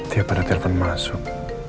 dia pada telepon masuk